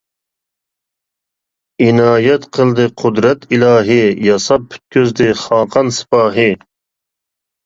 ئىنايەت قىلدى قۇدرەت ئىلاھى، ياساپ پۈتكۈزدى خاقان سىپاھى.